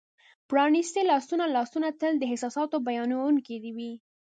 پرانیستي لاسونه : لاسونه تل د احساساتو بیانونکي وي.